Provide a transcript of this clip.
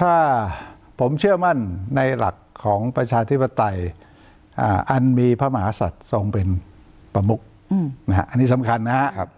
ถ้าผมเชื่อมั่นในหลักของประชาธิปไตยอันมีพระมหาศัตริย์ทรงเป็นประมุกอันนี้สำคัญนะครับ